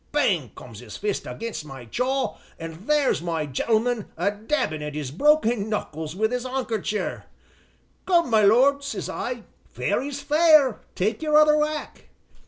Bang comes 'is fist again' my jaw, an' there's my gentleman a dabbin' at 'is broken knuckles wi' 'is 'ankercher. 'Come, my lord,' says I, 'fair is fair, take your other whack.'